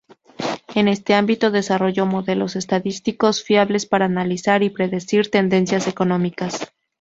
En este ámbito desarrolló modelos estadísticos fiables para analizar y predecir tendencias económicas.